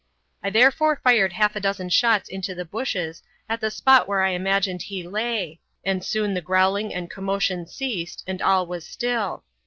I therefore fired half a dozen shots into the bushes at the spot where I imagined he lay, and soon the growling and commotion ceased, and all was still.